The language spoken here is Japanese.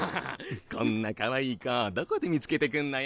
こんなかわいい子どこで見つけてくんのよ。